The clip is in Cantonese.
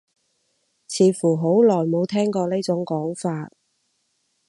似乎好耐冇聽過呢種講法